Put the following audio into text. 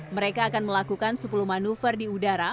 mereka akan melakukan sepuluh manuver di udara